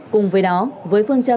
cùng với đó với phương châm